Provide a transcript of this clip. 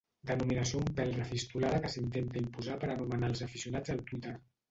Denominació un pèl refistolada que s'intenta imposar per anomenar els aficionats al Twitter.